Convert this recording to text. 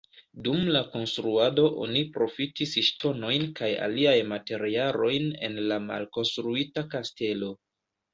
Dum la konstruado oni profitis ŝtonojn kaj aliaj materialojn el la malkonstruita kastelo.